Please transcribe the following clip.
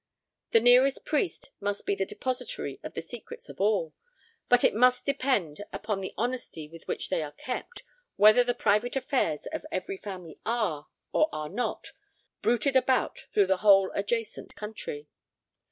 The nearest priest must be the depositary of the secrets of all; and it must depend upon the honesty with which they are kept, whether the private affairs of every family are, or are not, bruited about through the whole adjacent country.